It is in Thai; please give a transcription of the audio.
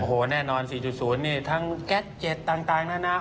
โอ้โฮแน่นอน๔๐นี่ทั้งแก๊สเจ็ตต่างนั้นนะ